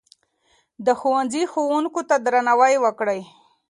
د ښوونځي ښوونکو ته درناوی وکړئ.